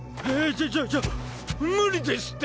ちょちょちょっ無理ですって！